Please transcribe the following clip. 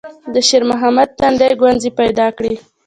د شېرمحمد تندي ګونځې پيدا کړې.